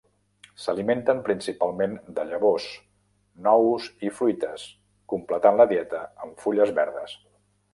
S'alimenten principalment de llavors, nous i fruites, completant la dieta amb fulles verdes.